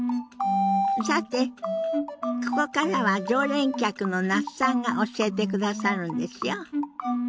さてここからは常連客の那須さんが教えてくださるんですよ。